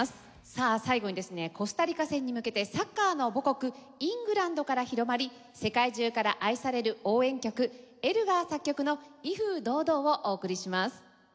さあ最後にですねコスタリカ戦に向けてサッカーの母国イングランドから広まり世界中から愛される応援曲エルガー作曲の『威風堂々』をお送りします。